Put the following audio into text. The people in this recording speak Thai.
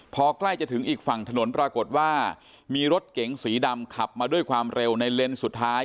พอใกล้จะถึงอีกฝั่งถนนปรากฏว่ามีรถเก๋งสีดำขับมาด้วยความเร็วในเลนส์สุดท้าย